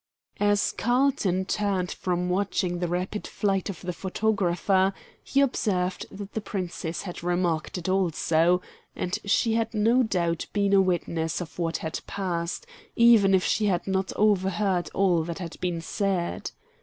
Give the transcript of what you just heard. As Carlton turned from watching the rapid flight of the photographer, he observed that the Princess had remarked it also, as she had no doubt been a witness of what had passed, even if she had not overheard all that had been said.